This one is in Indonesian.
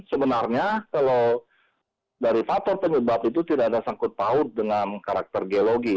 sebenarnya kalau dari faktor penyebab itu tidak ada sangkut paut dengan karakter geologi